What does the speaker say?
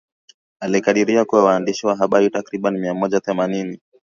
alikadiria kuwa waandishi wa habari takribani mia moja themanini